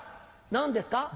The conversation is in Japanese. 何ですか？